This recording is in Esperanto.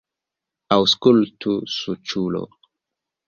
Aŭskultu, suĉulo!